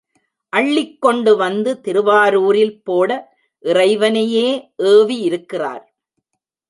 அள்ளிக் கொண்டு வந்து திருவாரூரில் போட இறைவனையே ஏவியிருக்கிறார்.